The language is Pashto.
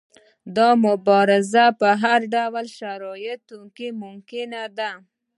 دا ډول مبارزه په هر ډول شرایطو کې ممکنه ده.